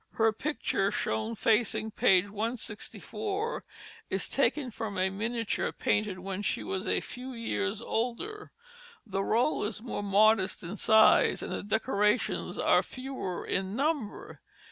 Her picture, shown facing page 164, is taken from a miniature painted when she was a few years older. The roll is more modest in size, and the decorations are fewer in number.